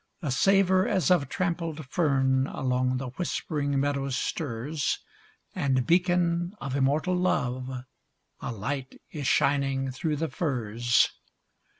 A savor as of trampled fern Along the whispering meadow stirs, And, beacon of immortal love, A light is shining through the firs.